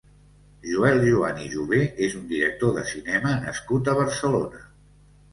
Joel Joan i Juvé és un director de cinema nascut a Barcelona.